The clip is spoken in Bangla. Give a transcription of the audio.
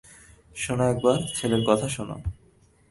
শোনো একবার, ছেলের কথা শোনো।